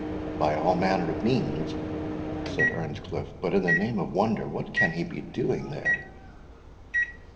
"By all manner of means," said Earnscliff; "but, in the name of wonder, what can he be doing there?"